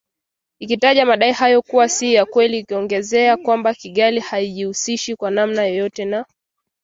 ikitaja madai hayo kuwa si ya kweli ikiongezea kwamba Kigali haijihusishi kwa namna yoyote na